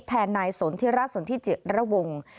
แทนนายสนธิราชสนธิเจราวงศ์